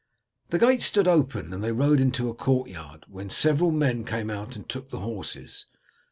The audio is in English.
The gate stood open and they rode into a courtyard, when several men came out and took the horses.